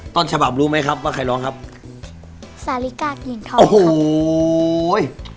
ต้นฉบับรู้ไหมครับว่าใครร้องครับสาลิกากลิ่นทองโอ้โห